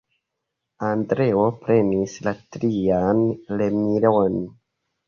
Andreo prenis la trian remilon.